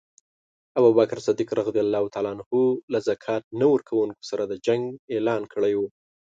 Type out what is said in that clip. ابوبکر صدیق له ذکات نه ورکونکو سره د جنګ اعلان کړی وو.